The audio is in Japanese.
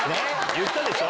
言ったでしょ。